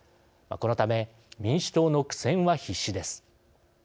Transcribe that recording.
このため、民主党の苦戦は必至です。